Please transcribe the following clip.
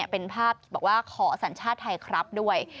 เป็นภาพบอกว่าขอสัญชาติไทยครับด้วย